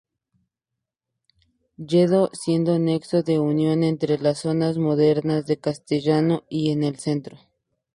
Lledó, siendo nexo de unión entre las zonas modernas de Castellón y el Centro.